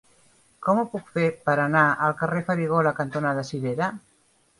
Com ho puc fer per anar al carrer Farigola cantonada Cirera?